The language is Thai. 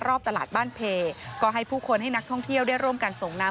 รอบตลาดบ้านเพก็ให้ผู้คนให้นักท่องเที่ยวได้ร่วมกันส่งน้ำ